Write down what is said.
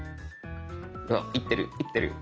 いってるいってる。